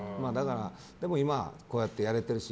でも今、こうやってやれてるし。